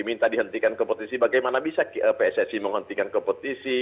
minta dihentikan kompetisi bagaimana bisa pssi menghentikan kompetisi